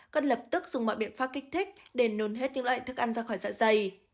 cần lập tức dùng mọi biện pháp kích thích để nồn hết những loại thức ăn ra khỏi dạ dày